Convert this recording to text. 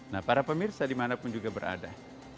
nah para pemirsa dimanapun juga berada